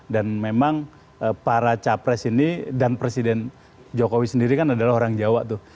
dan memang para capres ini dan presiden jokowi sendiri kan adalah orang jawa tuh